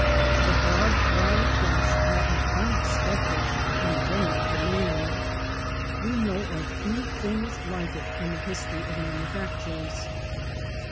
The barb wire fence met an unexpected and general demand. We know of few things like it in the history of manufactures.